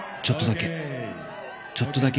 ちょっとだけ。